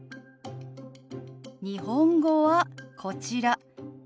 日本語はこちら「何時？」